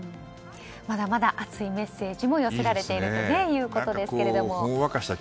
まだまだ熱いメッセージも寄せられているということですが。